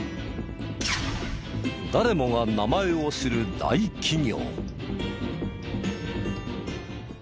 誰もが名前を知る大企業。